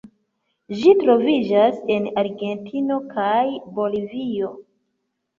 Ĝi troviĝas en Argentino kaj Bolivio.